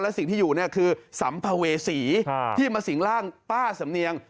สิ่งที่อยู่เนี่ยคือสัมภเวษีที่มาสิงร่างป้าสำเนียง